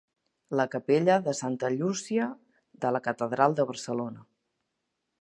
La capella de santa Llúcia de la catedral de Barcelona.